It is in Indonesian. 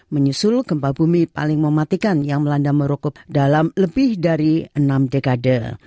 menyusul gempa bumi paling mematikan yang melanda merokok dalam lebih dari enam dekade